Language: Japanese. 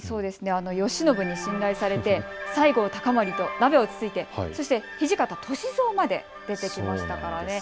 慶喜に信頼されて西郷隆盛と鍋をつついてそして土方歳三まで出てきましたからね。